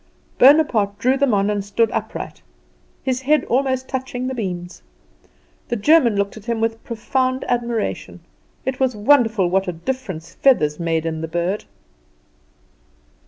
Bonaparte drew them on and stood upright, his head almost touching the beams. The German looked at him with profound admiration. It was wonderful what a difference feathers made in the bird.